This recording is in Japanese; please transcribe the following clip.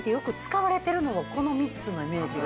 この３つのイメージが。